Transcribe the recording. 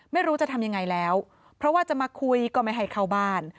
ไม่รู้จะทำยังไงแล้วเพราะว่าจะมาคุยก็ไม่ให้เข้าบ้าน